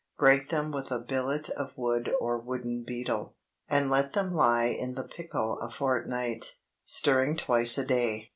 Break them with a billet of wood or wooden beetle, and let them lie in the pickle a fortnight, stirring twice a day.